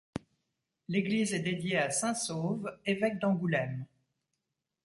L'église est dédiée à Saint Sauve, évêque d'Angoulême.